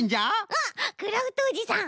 あっクラフトおじさん！